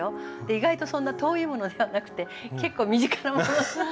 意外とそんな遠いものではなくて結構身近なもの。